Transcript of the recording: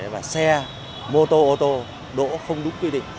và xe mô tô ô tô đỗ không đúng quy định